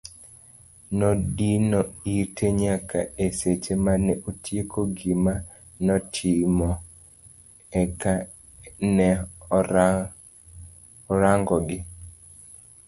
Nodino ite nyaka e seche mane otieko gima notimo ek ne orang'ogi.